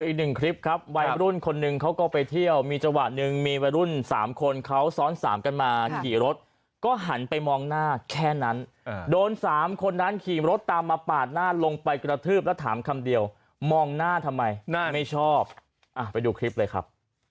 อีกหนึ่งคลิปครับวัยรุ่นคนหนึ่งเขาก็ไปเที่ยวมีจังหวะหนึ่งมีวัยรุ่น๓คนเขาซ้อนสามกันมาขี่รถก็หันไปมองหน้าแค่นั้นโดน๓คนนั้นขี่รถตามมาปาดหน้าลงไปกระทืบแล้วถามคำเดียวมองหน้าทำไมหน้าไม่ชอบไปดูคลิปเลยครับ